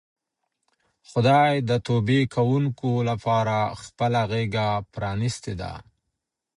خدای د توبې کوونکو لپاره خپله غېږه پرانیستې ده.